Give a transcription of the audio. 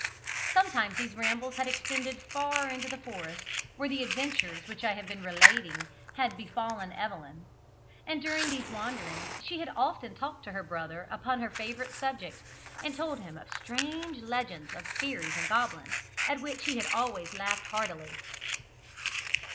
Sometimes these rambles had extended far into the forest where the adventures which I have been relating had befallen Evelyn; and during these wanderings she had often talked to her brother upon her favourite subject, and told him strange legends of fairies and goblins, at which he had always laughed heartily.